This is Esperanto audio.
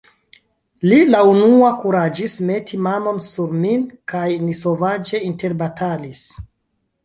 Li la unua kuraĝis meti manon sur min, kaj ni sovaĝe interbatalis.